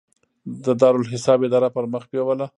د دارالاحساب اداره پرمخ بیوله.